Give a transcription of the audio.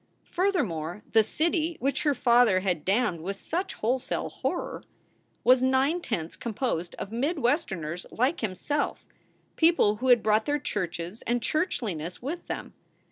Furthermore, the city, which her father had damned with such wholesale horror, was nine tenths composed of mid Westerners like himself, people who had brought their churches and churchliness with them.